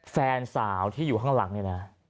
แฟนสาวที่อยู่ข้างหลังนี่นะ